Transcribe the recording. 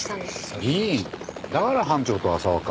だから班長と浅輪か。